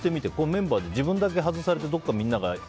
メンバーで自分だけ外されてどこか、みんなが。